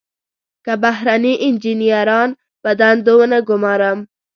که بهرني انجنیران په دندو ونه ګمارم.